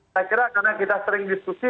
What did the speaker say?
saya kira karena kita sering diskusi